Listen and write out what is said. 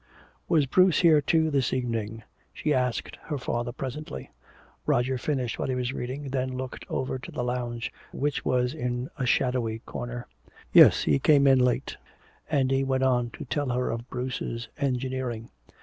"Was Bruce here too this evening?" she asked her father presently. Roger finished what he was reading, then looked over to the lounge, which was in a shadowy corner. "Yes, he came in late." And he went on to tell her of Bruce's "engineering."